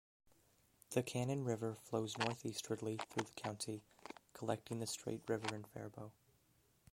The Cannon River flows northeastwardly through the county, collecting the Straight River in Faribault.